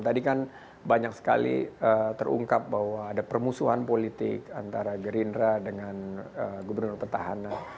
tadi kan banyak sekali terungkap bahwa ada permusuhan politik antara gerindra dengan gubernur petahana